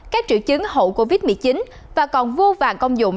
các triệu chứng hậu covid một mươi chín và còn vô vàng công dụng